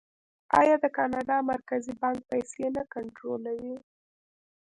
آیا د کاناډا مرکزي بانک پیسې نه کنټرولوي؟